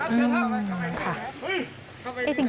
อืมค่ะ